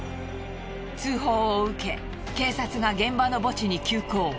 通報を受け警察が現場の墓地に急行。